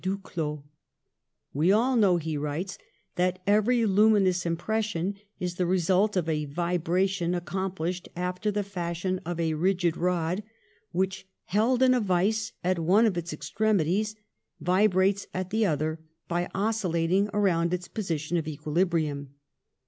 Duclaux: ''We all know/' he writes, "that every lumi nous impression is the result of a vibration ac complished after the fashion of a rigid rod which, held in a vise at one of its extremities, vibrates at the other by oscillating around its position of equilibrium.